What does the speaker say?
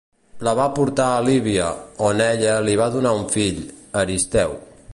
La va portar a Líbia, on ella li va donar un fill, Aristeu.